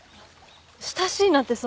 親しいなんてそんな。